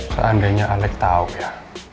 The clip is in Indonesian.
seandainya aleks tau ya